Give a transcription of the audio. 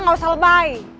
gak usah lebay